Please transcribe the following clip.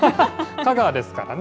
香川ですからね。